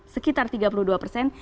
sekitar tiga puluh dua persen